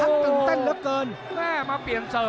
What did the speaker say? โดนท่องโดนท่องมีอาการ